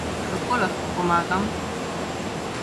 Kako lahko pomagam?